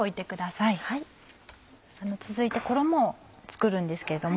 続いて衣を作るんですけれども。